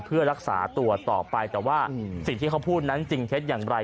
เพื่อรักษาตัวต่อไปแต่ว่าสิ่งที่เขาพูดนั้นจริงเท็จอย่างไร